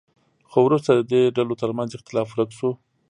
خو وروسته د دې ډلو ترمنځ اختلاف ورک شو.